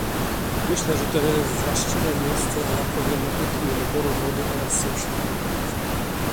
Myślę, że to jest właściwe miejsce dla problematyki niedoboru wody oraz susz